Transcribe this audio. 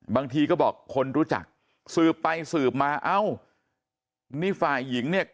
บางทีก็บอกคนรู้จักสืบไปสืบมาเอ้านี่ฝ่ายหญิงเนี่ย